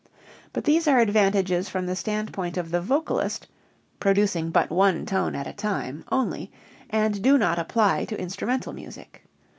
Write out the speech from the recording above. But these are advantages from the standpoint of the vocalist (producing but one tone at a time) only, and do not apply to instrumental music.